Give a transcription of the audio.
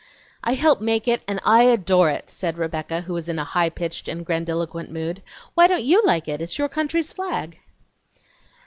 "I helped make it and I adore it!" said Rebecca, who was in a high pitched and grandiloquent mood. "Why don't YOU like it? It's your country's flag."